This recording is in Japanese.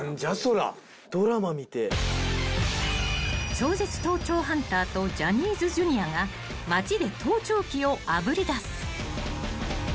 ［超絶盗聴ハンターとジャニーズＪｒ．が町で盗聴器をあぶり出す］